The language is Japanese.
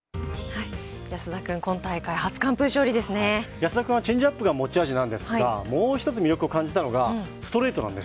安田君はチェンジアップが持ち味なんですが、もう一つ魅力を感じたのがストレート。